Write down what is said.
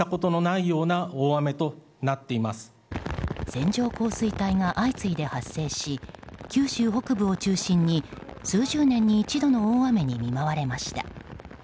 線状降水帯が相次いで発生し九州北部を中心に数十年に一度の大雨に見舞われました。